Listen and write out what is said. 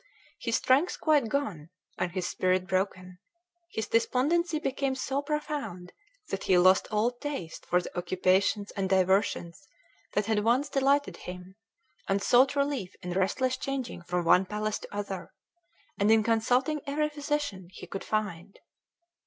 His strength quite gone, and his spirit broken, his despondency became so profound that he lost all taste for the occupations and diversions that had once delighted him, and sought relief in restless changing from one palace to another, and in consulting every physician he could find.